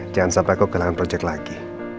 jangan sampai aku kelelahan project lagi